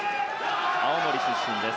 青森出身です。